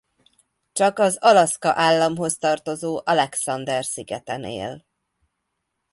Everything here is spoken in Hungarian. Csak az Alaszka államhoz tartozó Alexander szigeten él.